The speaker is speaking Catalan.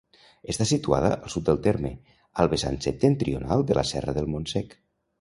Està situada al sud del terme, al vessant septentrional de la Serra del Montsec.